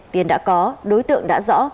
tiền đã có đối tượng đã rõ